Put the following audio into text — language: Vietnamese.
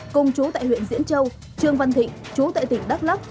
cùng chú tại huyện diễn châu trương văn thịnh chú tại tỉnh đắk lắc